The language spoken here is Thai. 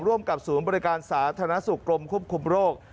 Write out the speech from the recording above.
ร่วมกับศูนย์บริการสาธารณสุขกรมควบคุมโรค